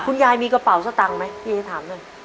คุณยายมีกระเป๋าสตังค์ไหมพี่เอถามหน่อย